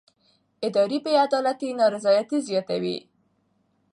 اداري بې عدالتي نارضایتي زیاتوي